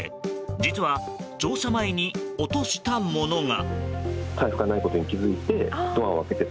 実は、乗車前に落としたものが。